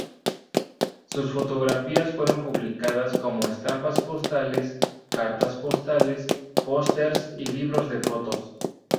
Sus fotografías fueron publicadas como estampas postales, cartas postales, pósters y libros de fotos.